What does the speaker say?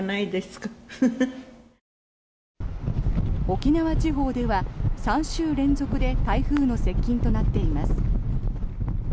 沖縄地方では３週連続で台風の接近となっています。